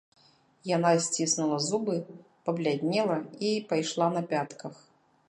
Яна сціснула зубы, пабляднела і пайшла на пятках.